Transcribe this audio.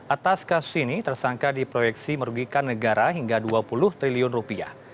atas kasus ini tersangka diproyeksi merugikan negara hingga dua puluh triliun rupiah